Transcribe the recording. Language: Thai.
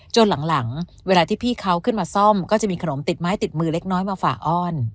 หลังเวลาที่พี่เขาขึ้นมาซ่อมก็จะมีขนมติดไม้ติดมือเล็กน้อยมาฝ่าอ้อน